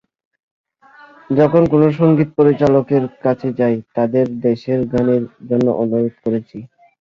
যখন কোনো সংগীত পরিচালকের কাছে যাই, তাঁদের দেশের গানের জন্য অনুরোধ করেছি।